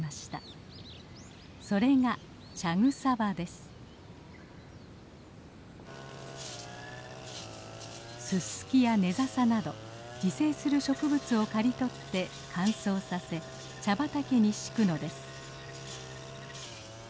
それがススキやネザサなど自生する植物を刈り取って乾燥させ茶畑に敷くのです。